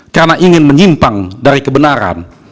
karena ingin menyimpang dari kebenaran